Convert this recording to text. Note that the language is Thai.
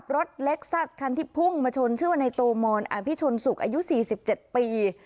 รถเล็กซัสคันที่พุ่งมาชนชื่อว่าไนโตมอนอาพิชนสุกอายุสี่สิบเจ็ดปี